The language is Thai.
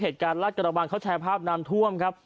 เหตุการณ์ราชกระดาบวังเค้าแชร์ภูมีน้ำถ้วมครับ